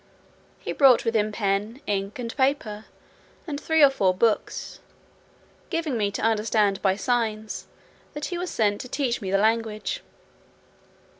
He brought with him pen, ink, and paper, and three or four books, giving me to understand by signs, that he was sent to teach me the language.